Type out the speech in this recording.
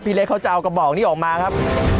พี่เล็กมันก็จะเอากระบองนี้ออกมาครับ